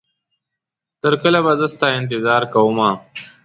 تر کله به زه ستا انتظار کومه